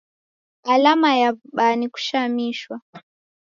Alama ya w'ubaa ni kushamishwa